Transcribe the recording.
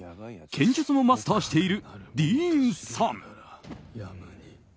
剣術もマスターしているディーンさん。